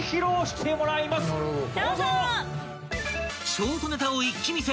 ［ショートネタを一気見せ］